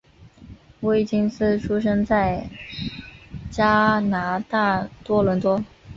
威金斯出生在加拿大多伦多。